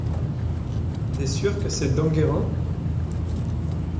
T’es sûre que c’est d’Enguerrand?